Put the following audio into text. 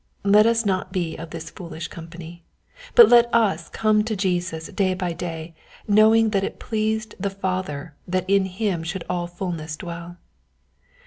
Let us not be of this foolish company; but let us come to Jesus day by day, knowing that it pleased the Father that in him should all fulness dwell.